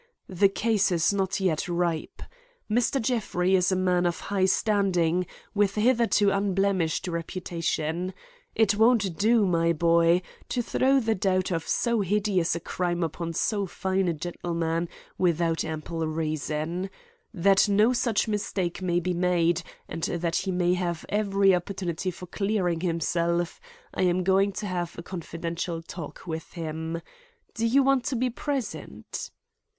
The case is not yet ripe. Mr. Jeffrey is a man of high standing, with a hitherto unblemished reputation. It won't do, my boy, to throw the doubt of so hideous a crime upon so fine a gentleman without ample reason. That no such mistake may be made and that he may have every opportunity for clearing himself, I am going to have a confidential talk with him. Do you want to be present?"